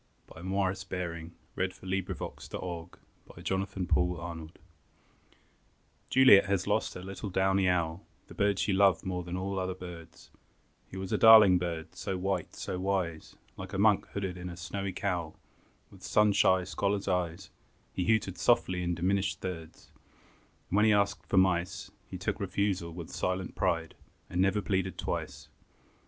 Sosnofka, June 1914 1914 1915 ELEGY ON THE DEATH OF JULIET'S OWL Juliet has lost her little downy owl, The bird she loved more than all other birds He was a darling bird, so white, so wise, Like a monk hooded in a snowy cowl, With sun shy scholar's eyes, He hooted softly in diminished thirds; And when he asked for mice, He took refusal with a silent pride And never pleaded twice.